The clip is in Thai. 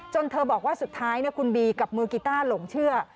เธอบอกว่าสุดท้ายคุณบีกับมือกีต้าหลงเชื่อ